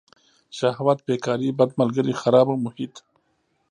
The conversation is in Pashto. شهوت بیکاري بد ملگري خرابه محیط.